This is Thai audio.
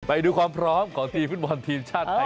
ไปดูความพร้อมของทีมฟุ่นบอลทีมชาติไทยกันก่อน